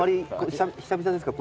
久々ですか？